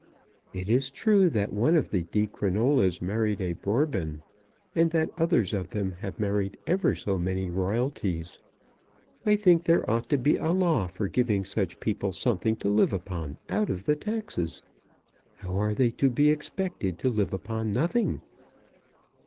It is true that one of the Di Crinolas married a Bourbon, and that others of them have married ever so many royalties. I think there ought to be a law for giving such people something to live upon out of the taxes. How are they to be expected to live upon nothing?